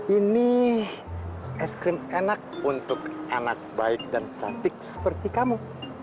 ini es krim enak untuk anak baik dan cantik seperti kamu